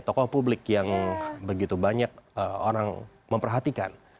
tokoh publik yang begitu banyak orang memperhatikan